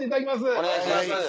お願いします。